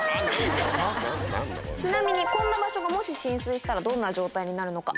ちなみにこんな場所がもし浸水したらどんな状態になるのか？